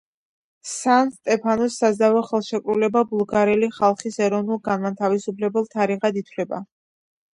სან-სტეფანოს საზავო ხელშეკრულება ბულგარელი ხალხის ეროვნულ-განმათავისუფლებელ თარიღად ითვლება.